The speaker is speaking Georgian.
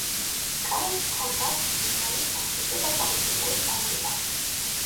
კარლს ჰქონდა ბრწყინვალე სამხედრო და პოლიტიკური კარიერა.